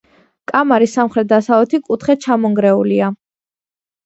კამარის სამხრეთ-დასავლეთი კუთხე ჩამონგრეულია.